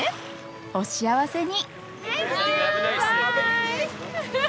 お幸せに。